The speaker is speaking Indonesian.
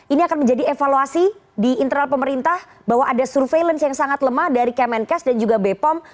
ini akan menjadi evaluasi di internal pemerintah bahwa ada surveillance yang sangat lemah dari kemenkes dan juga bepom